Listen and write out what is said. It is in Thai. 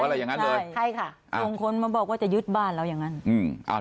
มันมาบอกว่าจะยืดบ้านอะไรอย่างนั้น